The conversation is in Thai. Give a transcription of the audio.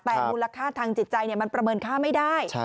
แต่มูลค่าทางจิตใจมันประเมินค่าไม่ได้